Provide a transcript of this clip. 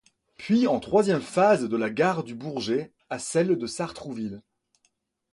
Puis en troisième phase de la gare du Bourget à celle de Sartrouville.